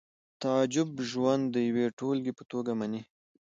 تعجب ژوند د یوې ټولګې په توګه مني